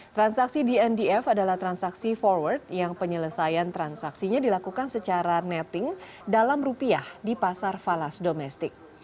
transaksi dndf adalah transaksi forward yang penyelesaian transaksinya dilakukan secara netting dalam rupiah di pasar falas domestik